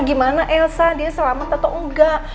gimana elsa dia selamat atau enggak